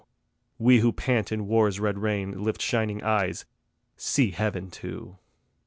we who pant in war's red rain Lift shining eyes, see Heaven too.